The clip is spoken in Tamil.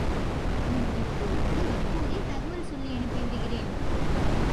உன் பெற்றோருக்கும் இப்போதே தகவல் சொல்லியனுப்பி விடுகிறேன்.